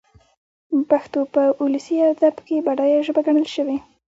پښتو په اولسي ادب کښي بډايه ژبه ګڼل سوې.